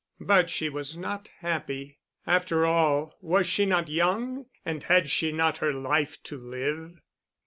But she was not happy. After all was she not young and had she not her life to live?